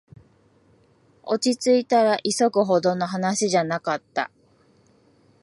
落ちついたら、急ぐほどの話じゃなかった